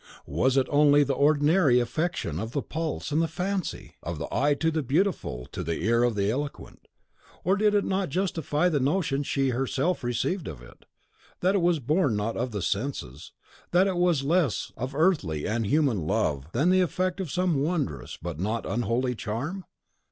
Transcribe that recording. Was it only the ordinary affection of the pulse and the fancy, of the eye to the Beautiful, of the ear to the Eloquent, or did it not justify the notion she herself conceived of it, that it was born not of the senses, that it was less of earthly and human love than the effect of some wondrous but not unholy charm?